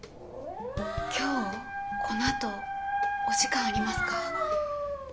今日このあとお時間ありますか？